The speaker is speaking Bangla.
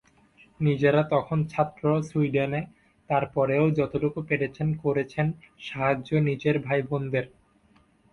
নিজেরা তখন ছাত্র সুইডেনে—তার পরেও যতটুকু পেরেছেন করেছেন সাহায্য নিজের ভাইবোনদের।